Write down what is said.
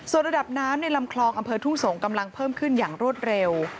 ส่วนระดับน้ำในลำคลองอำเภอทุ่งสงศ์กำลังเพิ่มขึ้นอย่างรวดเร็ว